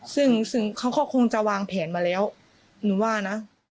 ซึ่งเขาก็คงจะวางแผนมาแล้วหนูว่านะ